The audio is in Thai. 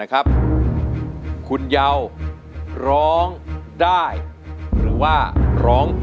คุณเยาว์ร้อง